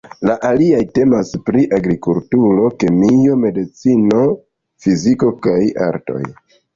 La aliaj temas pri Agrikulturo, Kemio, Medicino, Fiziko kaj Artoj.